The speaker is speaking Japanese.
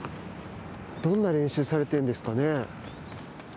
どんな練習されているんですかね。